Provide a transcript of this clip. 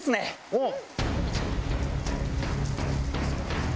うん？